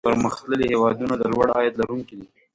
پرمختللي هېوادونه د لوړ عاید لرونکي دي.